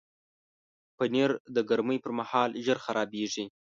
پنېر د ګرمۍ پر مهال ژر خرابیږي.